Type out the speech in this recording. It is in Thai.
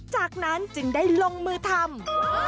จากนั้นจึงได้ลงมือทำ